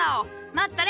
待っとれ！